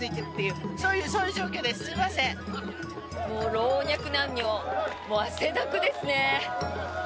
老若男女、汗だくですね。